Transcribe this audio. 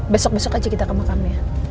besok besok aja kita ke makamnya